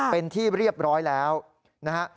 เป็นที่เรียบร้อยแล้วนะฮะ